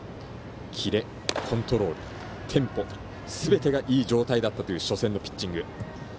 キレ、コントロール、テンポすべてがいい状態だったという初戦のピッチング。